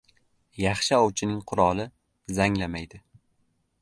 • Yaxshi ovchining quroli zanglamaydi.